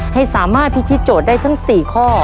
ให้สามารถพิธีโจทย์ได้ทั้ง๔ข้อ